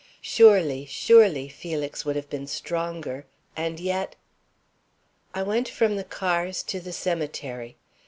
Surely, surely Felix would have been stronger, and yet I went from the cars to the cemetery.